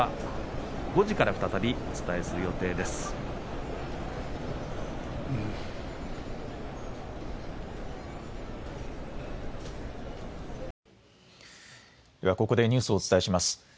ではここでニュースをお伝えします。